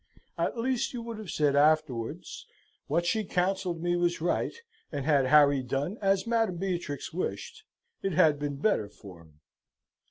At least you would have sed afterwards, 'What she counselled me was right, and had Harry done as Madam Beatrix wisht, it had been better for him.'